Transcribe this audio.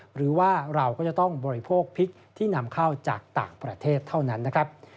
หรือว่าเราก็จะต้องบริโภคพริกที่นำเข้าจากต่างประเทศเท่านั้นนะครับ